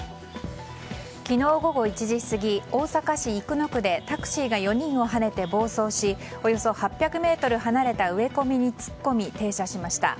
昨日午後１時過ぎ大阪市生野区でタクシーが４人をはねて暴走しおよそ８００ｍ離れた植え込みに突っ込み停車しました。